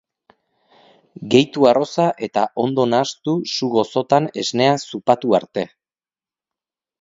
Gehitu arroza eta ondo nahastu su gozotan esnea zupatu arte.